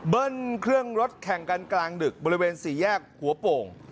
เครื่องรถแข่งกันกลางดึกบริเวณสี่แยกหัวโป่ง